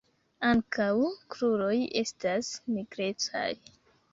Ankaŭ kruroj estas nigrecaj.